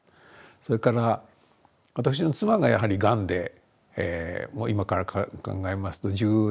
それから私の妻がやはりがんでもう今から考えますと１７年前でしょうかね